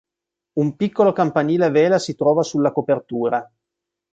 Un piccolo campanile a vela si trova sulla copertura.